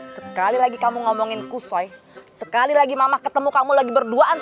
sekali lagi kamu ngomongin kusoy sekali lagi mamah ketemu kamu lagi berdua aneh